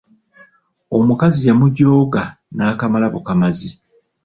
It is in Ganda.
Omukazi yamujooga n'akamala bukamazi.